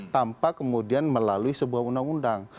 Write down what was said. tanpa kemudian melalui sebuah undang undang